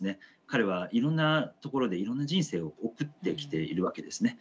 彼はいろんな所でいろんな人生を送ってきているわけですね。